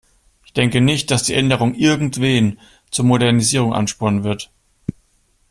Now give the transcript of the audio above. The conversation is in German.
Ich denke nicht, dass die Änderung irgendwen zur Modernisierung anspornen wird.